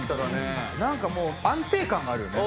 なんかもう安定感があるよね。